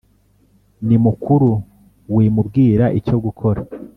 Nimukuru wimubwira icyo gukora